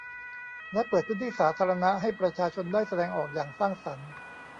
และเปิดพื้นที่สาธารณะให้ประชาชนได้แสดงออกอย่างสร้างสรรค์